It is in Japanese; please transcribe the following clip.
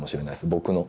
僕の。